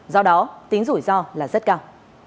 do đó tính rủi ro là rất cao